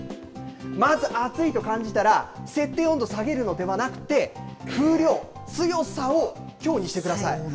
まず、暑いと感じたら設定温度下げるのではなくて、風量、強さを強にしてください。